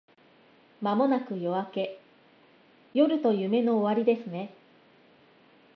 間もなく夜明け…夜と夢の終わりですね